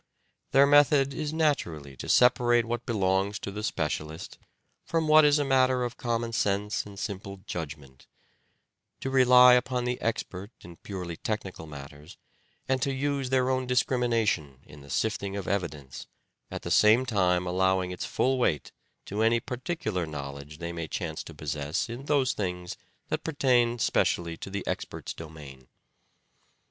Their method is natnrally to separate what belongs to the specialist from what is matter of common sense and simple judgment ; to rely upon the expert in purely technical matters, and to use their own dis 95 crimination in the sifting of evidence, at the same time allowing its full weight to any particular know ledge they may chance to possess in those things that pertain specially to the expert's domain.